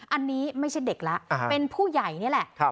อันนี้ไม่ใช่เด็กแล้วเป็นผู้ใหญ่นี่แหละ